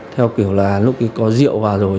theo kiểu là lúc ấy có rượu vào rồi